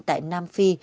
tại nam phi